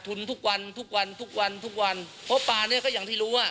ซึ่งเราต้องต้องหัดทุนทุกวันเพราะปลานี้ก็อย่างที่รู้